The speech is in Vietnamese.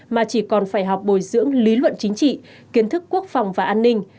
mà chỉ còn phải học bồi dưỡng lý luận chính trị kiến thức quốc phòng và an ninh